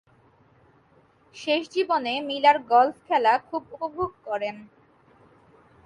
শেষ জীবনে Miller golf খেলা খুব উপভোগ করেন।